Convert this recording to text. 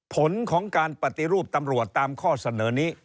ผลของการปฏิรูปตำรวจตามข้อเสนอนี้